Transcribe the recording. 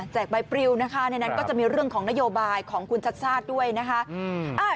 ใบปริวนะคะในนั้นก็จะมีเรื่องของนโยบายของคุณชัดชาติด้วยนะคะ